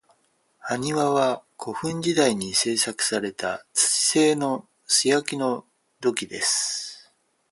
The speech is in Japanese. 埴輪は、古墳時代に製作された土製の素焼きの土器です。